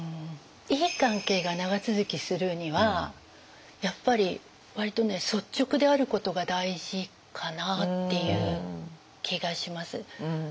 いい関係が長続きするにはやっぱり割とね率直であることが大事かなっていう気がします。